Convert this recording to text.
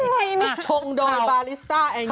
อะไรนี้ชงโดยบาริสต้าแองไล